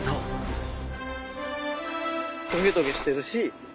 トゲトゲしてるし。